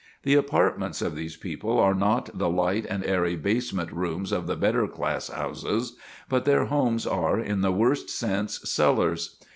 The apartments of these people are not the light and airy basement rooms of the better class houses, but their homes are, in the worst sense, cellars.